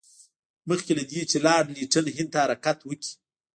مخکې له دې چې لارډ لیټن هند ته حرکت وکړي.